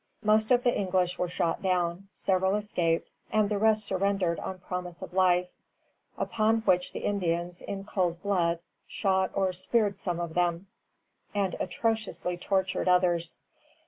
Most of the English were shot down, several escaped, and the rest surrendered on promise of life; upon which the Indians, in cold blood, shot or speared some of them, and atrociously tortured others.